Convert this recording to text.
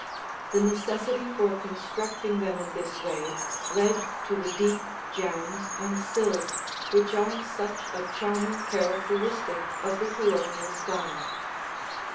The necessity for constructing them in this way led to the deep jambs and sills which are such a charming characteristic of the Colonial style.